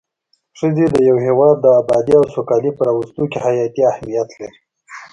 ښځی د يو هيواد د ابادي او سوکالي په راوستو کي حياتي اهميت لري